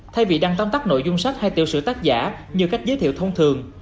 thay vì đăng tóm tắt nội dung sách hay tiểu sử tác giả như cách giới thiệu thông thường